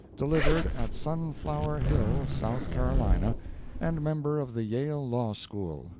delivered at Sunflower Hill, South Carolina, and member of the Yale Law School.